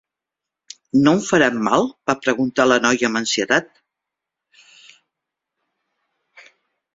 No em faran mal?, va preguntar la noia amb ansietat.